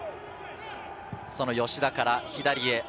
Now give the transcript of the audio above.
その吉田から左へ。